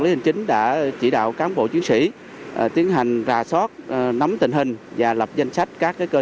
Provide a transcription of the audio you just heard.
lý hình chính đã chỉ đạo cán bộ chiến sĩ tiến hành ra soát nắm tình hình và lập danh sách các cơ